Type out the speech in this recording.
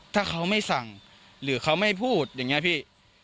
ถ้าเขาไม่สั่งหรือเขาไม่พูดอย่างนี้พี่